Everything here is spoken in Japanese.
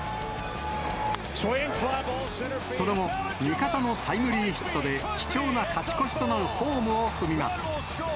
その後、味方のタイムリーヒットで、貴重な勝ち越しとなるホームを踏みます。